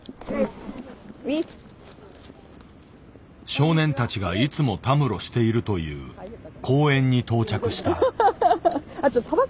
少年たちがいつもたむろしているという公園に到着した。